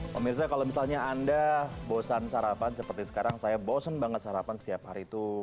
pemirsa kalau misalnya anda bosan sarapan seperti sekarang saya bosen banget sarapan setiap hari tuh